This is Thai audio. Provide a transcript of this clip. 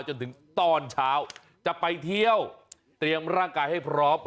จนถึงตอนเช้าจะไปเที่ยวเตรียมร่างกายให้พร้อม